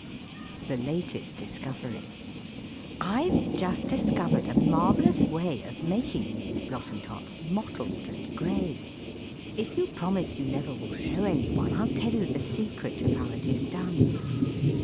THE LATEST DISCOVERY I've just discovered a marvelous way Of making these Blottentots mottled and gray; If you promise you never will show any one I'll tell you the secret of how it is done.